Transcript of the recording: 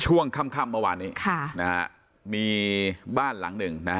ช่วงค่ำเมื่อวานนี้มีบ้านหลังหนึ่งนะ